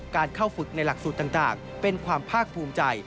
การเข้าฝึกในหลักสูตรต่างเป็นความภาคภูมิใจ